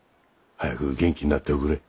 早く元気になっておくれ。